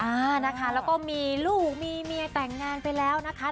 อะนะคะมีลูกมีเมียแต่งงานไปแล้วนะคะ